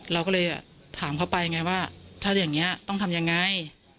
เราก็เลยถามเขาไปไงว่าถ้าอย่างนี้ต้องทำยังไง